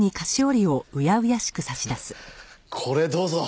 これどうぞ。